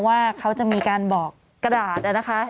ว่าเขาจะมีการบอกกระดาษนะคะ